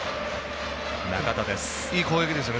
いい攻撃ですよね。